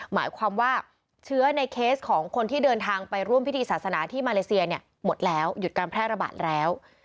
หมายความว่าเชื้อในเคสของคนที่เดินทางไปร่วมพิธีศาสนาที่มาเลเซียเนี่ยหมดแล้วหยุดการแพร่ระบาดแล้ว